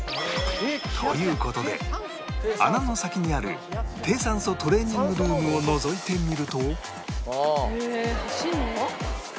という事で穴の先にある低酸素トレーニングルームをのぞいてみるとへえ走るの？